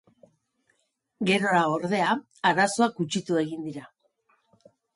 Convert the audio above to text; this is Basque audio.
Gerora, ordea, arazoak gutxitu egin dira.